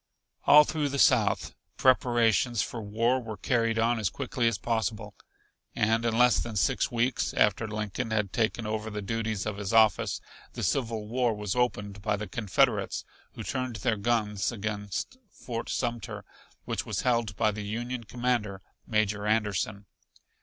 All through the South preparations for war were carried on as quickly as possible. And in less than six weeks after Lincoln had taken over the duties of his office, the Civil War was opened by the Confederates, who turned their guns against Fort Sumter, which was held by the Union commander, Major Anderson.